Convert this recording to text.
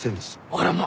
あらま！